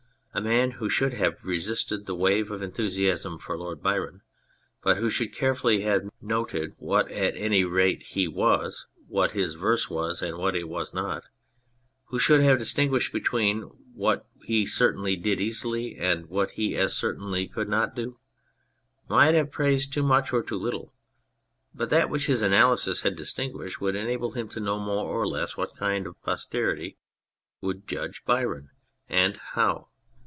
A man who should have resisted the wave of enthusiasm for Lord Byron, but who should care fully have noted what at any rate he was, what his verse was and what it was not, who should have dis tinguished between what he certainly did easily and what he as certainly could not do, might have praised too much or too little, but that which his analysis had distinguished would enable him to know more or less what kind of posterity would judge Byron, and how.